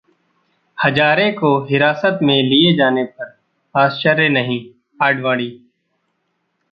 हजारे को हिरासत में लिये जाने पर आश्चर्य नहीं: आडवाणी